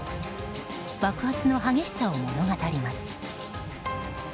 爆発の激しさを物語ります。